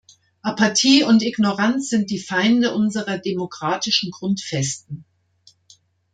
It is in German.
Apathie und Ignoranz sind die Feinde unserer demokratischen Grundfesten.